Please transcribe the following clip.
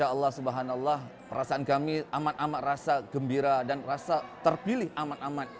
masya allah subhanallah perasaan kami amat amat rasa gembira dan rasa terpilih amat amat